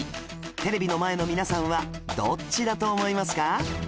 テレビの前の皆さんはどっちだと思いますか？